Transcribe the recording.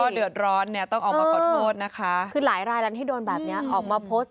เดือดร้อนเนี่ยต้องออกมาขอโทษนะคะคือหลายรายแล้วที่โดนแบบนี้ออกมาโพสต์